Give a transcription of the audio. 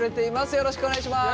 よろしくお願いします。